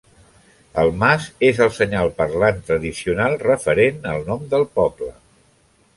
El mas és el senyal parlant tradicional referent al nom del poble.